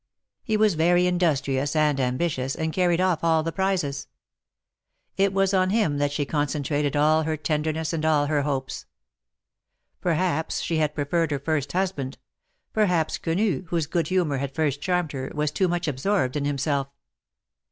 He was very industrious and ambitious, and carried off all the prizes. It was on him that she concentrated all her tenderness, and all her hopes. Perhaps she had pre ferred her first husband ; perhaps Quenu, whose good humor had first charmed her, was too much absorbed in himself.